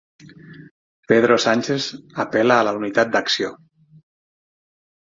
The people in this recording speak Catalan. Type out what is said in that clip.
Pedro Sánchez apel·la a la unitat d'acció.